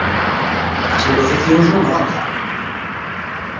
As negociacións non avanzan.